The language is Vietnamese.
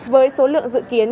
với số lượng dự kiến